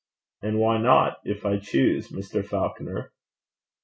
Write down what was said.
'And why not if I choose, Mr. Falconer?'